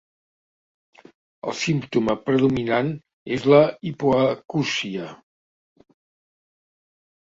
El símptoma predominant és la hipoacúsia.